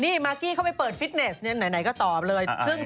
นี่มากกี้เข้าไปเปิดฟิตเนสไหนก็ตอบเลย